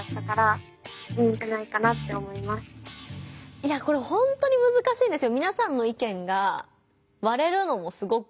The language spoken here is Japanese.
いやこれほんとにむずかしいんですよ。